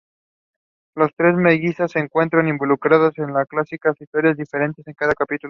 Las Tres Mellizas se encuentran involucradas en una clásica historia diferente en cada capítulo.